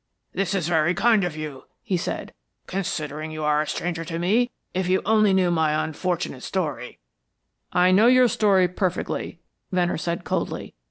"This is very kind of you," he said, "considering you are a stranger to me. If you only knew my unfortunate story " "I know your story perfectly," Venner said, coldly.